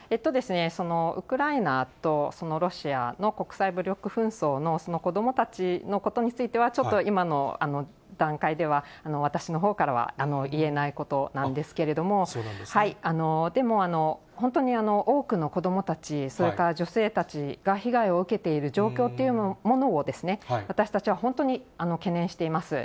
ウクライナとロシアの国際武力紛争のその子どもたちのことについては、ちょっと、今の段階では、私のほうからは言えないことなんですけれども、でも本当に多くの子どもたち、それから女性たちが、被害を受けている状況というものを私たちは本当に懸念しています。